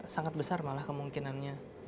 sangat besar malah kemungkinannya